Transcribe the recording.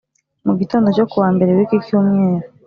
mu gitondo cyo kuwa Mbere w’iki cyumweru